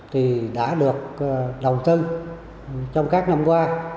thì đã được đầu tư trong các năm qua